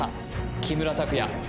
木村拓哉